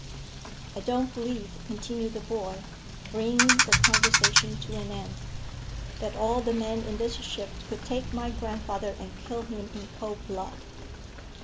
"I don't believe," continued the boy, bringing the conversation to an end, "that all the men in this ship could take my grandfather and kill him in cold blood."